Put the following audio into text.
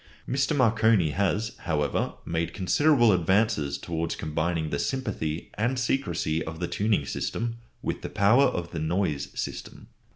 Mr. Marconi has, however, made considerable advances towards combining the sympathy and secrecy of the tuning system with the power of the "noise" system.